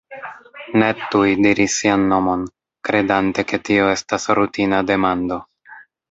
Ned tuj diris sian nomon, kredante ke tio estas rutina demando.